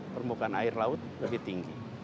permukaan air laut lebih tinggi